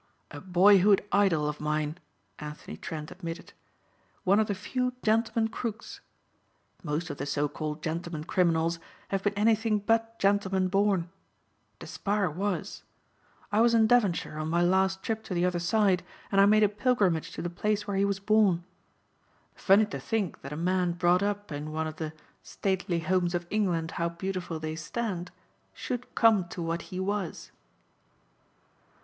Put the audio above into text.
"A boyhood idol of mine," Anthony Trent admitted. "One of the few gentleman crooks. Most of the so called gentlemen criminals have been anything but gentlemen born. Despard was. I was in Devonshire on my last trip to the other side and I made a pilgrimage to the place where he was born. Funny to think that a man brought up in one of the 'stately homes of England, how beautiful they stand,' should come to what he was."